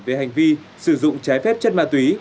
về hành vi sử dụng trái phép chất ma túy